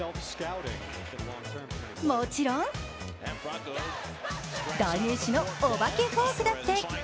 もちろん代名詞のお化けフォークだって。